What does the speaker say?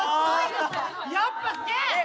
やっぱすげえ！